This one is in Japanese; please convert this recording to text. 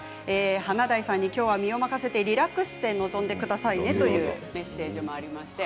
華大さんに今日は身を任せてリラックスして臨んでくださいというメッセージもあります。